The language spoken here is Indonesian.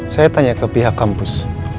saya tanya ke pihak kampus